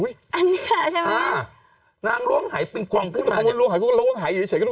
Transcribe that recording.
อุ้ยอันนี้แหละใช่ไหมอ่านางล้วงไหปิงปองขึ้นมานางล้วงไหก็ล้วงไหอย่างเงี้ย